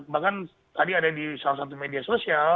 bahkan tadi ada di salah satu media sosial